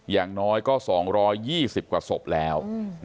อย่างน้อยก็๒๒๐กว่าศพแล้ว